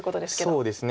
そうですね。